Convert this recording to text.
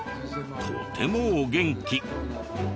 とてもお元気。